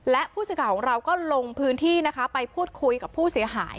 และผู้สื่อข่าวของเราก็ลงพื้นที่นะคะไปพูดคุยกับผู้เสียหาย